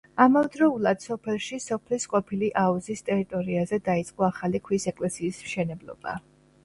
ამავდროულად სოფელში სოფლის ყოფილი აუზის ტერიტორიაზე დაიწყო ახალი ქვის ეკლესიის მშენებლობა.